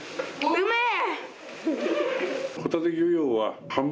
うめえ！